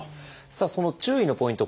さあその注意のポイント